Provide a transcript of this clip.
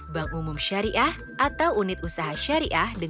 bank umum syariah atau unit usaha syariah